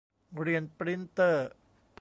เรียน ปรินท์เตอร์